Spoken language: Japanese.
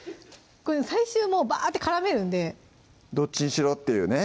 これ最終もうバーッて絡めるんでどっちにしろっていうね